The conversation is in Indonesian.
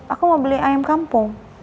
aku mau beli ayam kampung